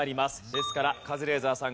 ですからカズレーザーさん